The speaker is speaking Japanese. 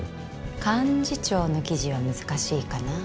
幹事長の記事は難しいかな。